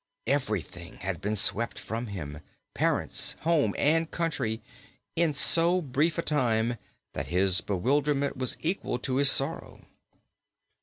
Everything had been swept from him parents, home and country in so brief a time that his bewilderment was equal to his sorrow.